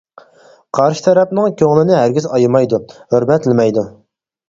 قارشى تەرەپنىڭ كۆڭلىنى ھەرگىز ئايىمايدۇ، ھۆرمەتلىمەيدۇ.